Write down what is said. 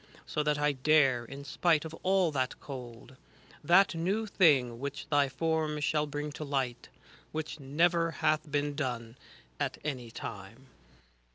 So that r dare, in spite of all that cold, That new thing which thy form shall bring to light, ^ Which never hath been done at any time.